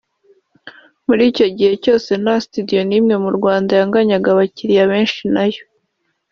muri icyo gihe cyose nta studio nimwe mu Rwanda yanganyaga abakiliya benshi nayo